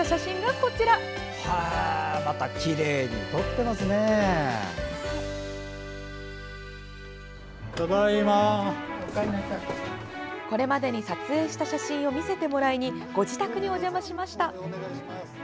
これまでに撮影した写真を見せてもらいにご自宅にお邪魔しました。